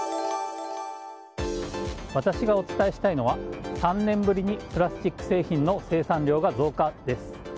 私がお伝えしたいのは３年ぶりにプラスチック製品の生産量が増加です。